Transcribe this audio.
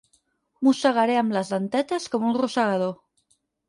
Mossegaré amb les dentetes com un rosegador.